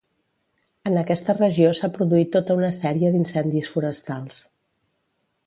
En aquesta regió s'ha produït tota una sèrie d'incendis forestals.